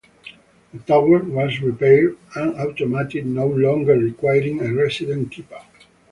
The tower was repaired and automated, no longer requiring a resident keeper.